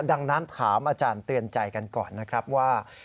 ดังนั้นถามอาจารย์เตือนใจกันก่อนนะครับว่า